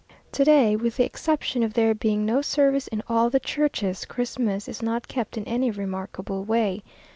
Today, with the exception of there being no service in all the churches, Christmas is not kept in any remarkable way.